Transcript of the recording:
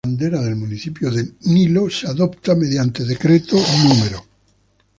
La Bandera del Municipio de Nilo se adopta mediante Decreto No.